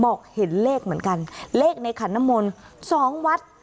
บอกเห็นเลขเหมือนกันเลขในขันน้ำมนต์สองวัด